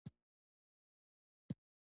ایا ستاسو زده کونکي زیارکښ نه دي؟